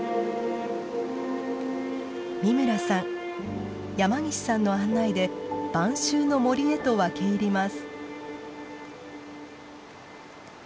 美村さん山岸さんの案内で晩秋の森へと分け入ります。